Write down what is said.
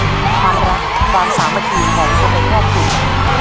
ความสามารถความสามารถที่ของคุณเป็นแค่คุณ